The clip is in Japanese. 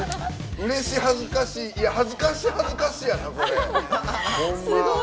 うれし恥ずかしいや恥ずかし恥ずかしやな。